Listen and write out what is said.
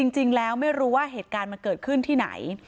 จริงแล้วไม่รู้ว่าเหตุการณ์มันเกิดขึ้นที่ไหน